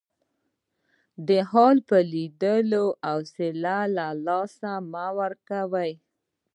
د حال په لیدو حوصله له لاسه مه ورکوئ.